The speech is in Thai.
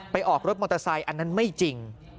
ออกรถมอเตอร์ไซค์อันนั้นไม่จริง